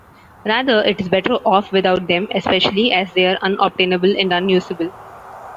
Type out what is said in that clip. Rather, it is better off without them, especially as they are unobtainable and unusable.